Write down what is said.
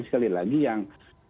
sekali lagi yang